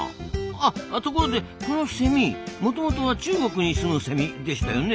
あところでこのセミもともとは中国に住むセミでしたよね？